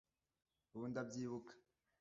ubu ndabyibuka